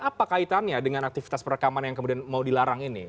apa kaitannya dengan aktivitas perekaman yang kemudian mau dilarang ini